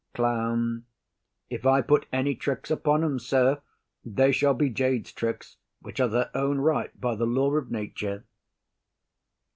CLOWN. If I put any tricks upon 'em, sir, they shall be jades' tricks, which are their own right by the law of nature.